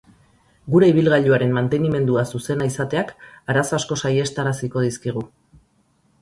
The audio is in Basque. Gure ibilgailuaren mantenimendua zuzena izateak arazo asko saihestaraziko dizkigu.